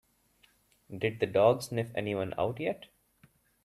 Did the dog sniff anyone out yet?